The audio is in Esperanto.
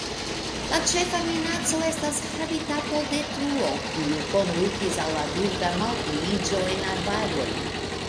La ĉefa minaco estas habitatodetruo kiu kondukis al la birda malpliiĝo en arbaroj.